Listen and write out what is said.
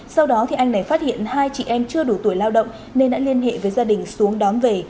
sau đó anh này phát hiện hai chị em chưa đủ tuổi lao động nên đã liên hệ với gia đình xuống đón về